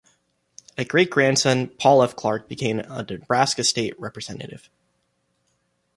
A great-grandson, Paul F. Clark, became a Nebraska State Representative.